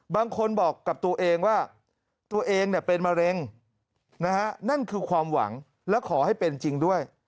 บางคนบอกกับตัวเองว่าตัวเองเป็นมะเร็งนะฮะนั่นคือความหวังและขอให้เป็นจริงด้วย